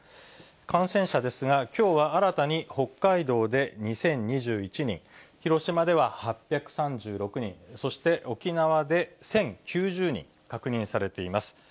感染者ですが、きょうは新たに北海道で２０２１人、広島では８３６人、そして沖縄で１０９０人確認されています。